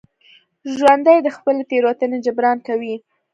ژوندي د خپلې تېروتنې جبران کوي